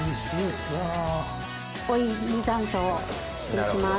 追い山椒をして行きます。